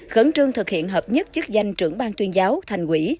khẩn trương thực hiện hợp nhất chức danh trưởng bang tuyên giáo thành quỹ